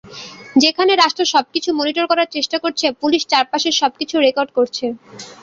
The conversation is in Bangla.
যেখানে রাষ্ট্র সবকিছু মনিটর করার চেষ্টা করছে, পুলিশ চারপাশের সবকিছু রেকর্ড করছে।